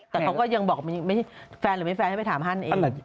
แต่เขายังบอกไม่ฟันไม่แฟนไปถามอัน